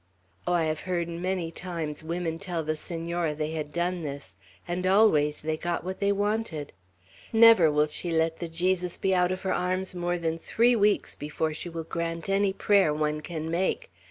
Oh, I have heard, many times, women tell the Senora they had done this, and always they got what they wanted. Never will she let the Jesus be out of her arms more than three weeks before she will grant any prayer one can make.